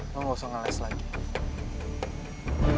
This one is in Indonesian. lo gak usah ngeles lagi